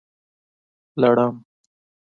🦂 لړم